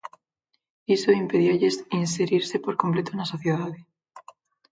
Iso impedíalles inserirse por completo na sociedade.